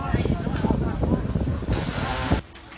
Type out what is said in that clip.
สวัสดีครับคุณผู้ชาย